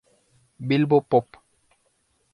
Bilbo Pop.